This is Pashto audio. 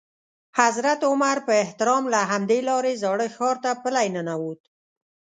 حضرت عمر په احترام له همدې لارې زاړه ښار ته پلی ننوت.